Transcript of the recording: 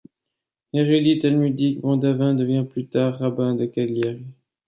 Érudit talmudique, Bondavin devient plus tard rabbin de Cagliari.